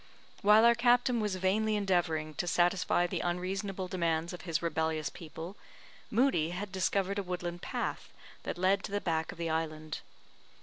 While our captain was vainly endeavouring to satisfy the unreasonable demands of his rebellious people, Moodie had discovered a woodland path that led to the back of the island.